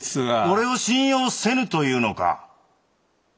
俺を信用せぬというのか？